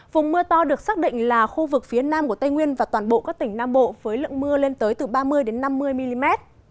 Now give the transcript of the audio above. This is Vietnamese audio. vùng mưa to được xác định là khu vực phía nam của tây nguyên và toàn bộ các tỉnh nam bộ với lượng mưa lên tới từ ba mươi năm mươi mm